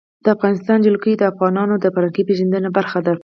د افغانستان جلکو د افغانانو د فرهنګي پیژندنې برخه ده.